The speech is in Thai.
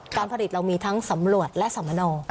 การผลิตเรามีทั้งสำรวจและสัมมโน